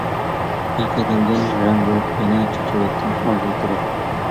ئەقىدەمدىن رەڭ بېرىپ يەنە، چېچىۋەتتىم ئارزۇ، تىلەكنى.